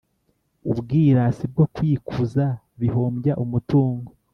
Ubwirasi no kwikuza bihombya umutungo,